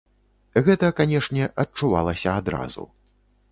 Гэта, канешне, адчувалася адразу.